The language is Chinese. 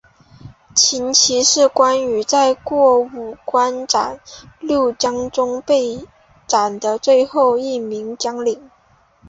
秦琪是关羽在过五关斩六将中被斩的最后一名将领。